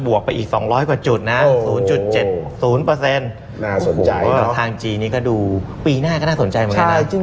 ว่าทางจีนก็ดูปีหน้าก็น่าสนใจเหมือนกัน